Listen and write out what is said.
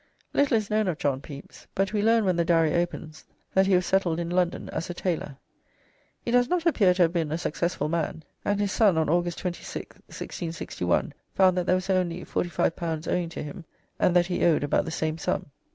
Little is known of John Pepys, but we learn when the Diary opens that he was settled in London as a tailor. He does not appear to have been a successful man, and his son on August 26th, 1661, found that there was only L45 owing to him, and that he owed about the same sum.